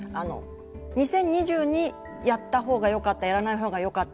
２０２０にやったほうがよかったやらないほうがよかった。